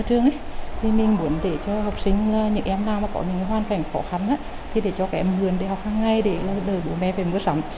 thì mình muốn để cho học sinh những em nào mà có những hoàn cảnh khó khăn thì để cho các em buồn để học hàng ngày để đợi bố mẹ về mua sắm